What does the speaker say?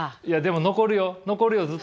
いやでも残るよ残るよ